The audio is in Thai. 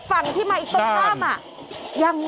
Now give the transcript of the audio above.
วันนี้จะเป็นวันนี้